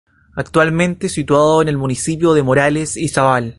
Actualmente situado en el municipio de Morales, Izabal.